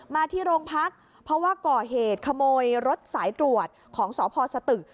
มาที่โรงพักเพราะว่าก่อเหตุขโมยรถสายตรวจของสพสตึก